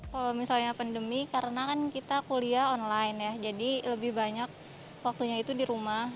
kalau misalnya pandemi karena kan kita kuliah online ya jadi lebih banyak waktunya itu di rumah